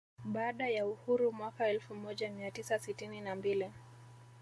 Baada ya uhuru mwaka elfu moja mia tisa sitini na mbili